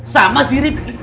sama si rifki